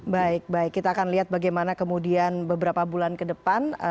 baik baik kita akan lihat bagaimana kemudian beberapa bulan ke depan